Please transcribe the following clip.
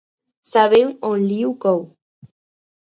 Saber on li cou.